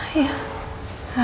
dipertanyakan lagi kan